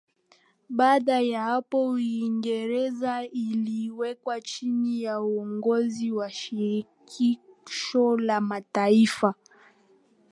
Baada ya hapo Uingereza iliiweka chini ya uongozi wa Shirikisho la Mataifa